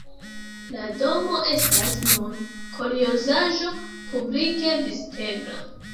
La domo estas nun kuriozaĵo publike vizitebla.